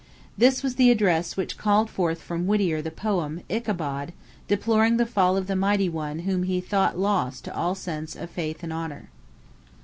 This was the address which called forth from Whittier the poem, "Ichabod," deploring the fall of the mighty one whom he thought lost to all sense of faith and honor.